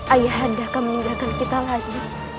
ayah anda akan meninggalkan kita lagi